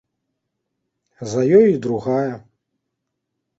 За ёй і другая.